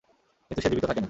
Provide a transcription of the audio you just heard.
কিন্তু সে জীবিত থাকে না।